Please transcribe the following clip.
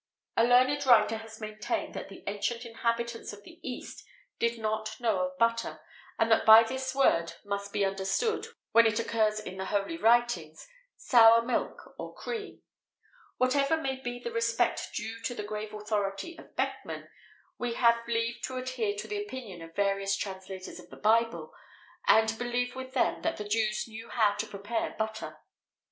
A learned writer[XVIII 21] has maintained that the ancient inhabitants of the east did not know of butter, and that by this word must be understood, when it occurs in the holy writings, sour milk or cream. Whatever may be the respect due to the grave authority of Beckmann, we beg leave to adhere to the opinion of various translators of the Bible, and believe with them that the Jews knew how to prepare butter.